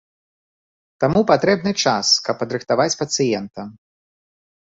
Таму патрэбны час, каб падрыхтаваць пацыента.